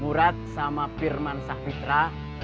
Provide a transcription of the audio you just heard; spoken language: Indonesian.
murad sama firman sakhpitra